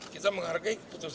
kita menghargai keputusan ma itu